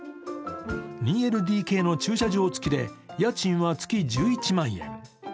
２ＬＤＫの駐車場つきで家賃は月１１万円。